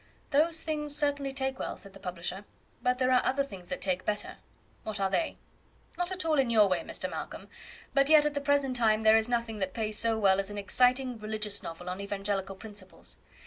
"Those things certainly take well," said the publisher, "but there are other things that take better." "What are they?" "Not at all in your way, Mr. Malcolm; but yet at the present time there is nothing that pays so well as an exciting religious novel on evangelical principles.